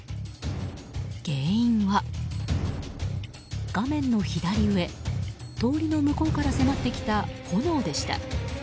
原因は、画面の左上通りの向こうから迫ってきた炎でした。